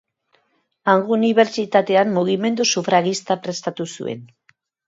Hango unibertsitatean mugimendu sufragista prestatu zuen.